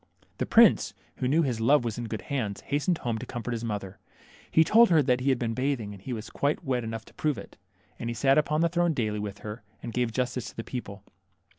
The prince, who knew his love was in good hands, hastened home to comfort his mother. He told her he had been bathing, and he was quite wet enough to prove it. And he sat upon the throne daily with her, and gave justice to the people.